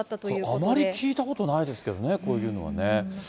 あまり聞いたことないですけどね、こういうのはね。